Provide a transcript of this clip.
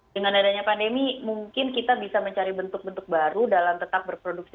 dengan adanya pandemi mungkin kita bisa mencari bentuk bentuk baru dalam tetap berproduksi